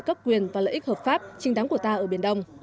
các quyền và lợi ích hợp pháp trình đáng của ta ở biển đông